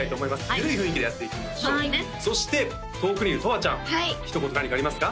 緩い雰囲気でやっていきましょうそうですねそして遠くにいるとわちゃんひと言何かありますか？